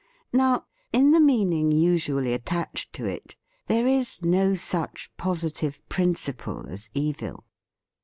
Now, in the meaning usually at tached to it, there is no such positive principle as Evil.